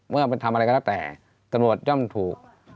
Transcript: เมื่อไปทำอะไรก็แล้วแต่ตำรวจย่อมถูก